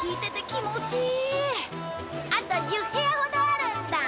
あと１０部屋ほどあるんだ。